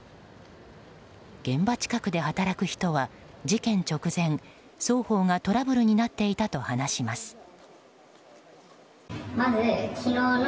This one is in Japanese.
現場近くで働く人は事件直前双方がトラブルになっていたと話します。